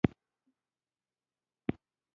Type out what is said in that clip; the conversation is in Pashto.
کومو شرایطو د هغوی مقدسه وظیفه پای ته ورسول.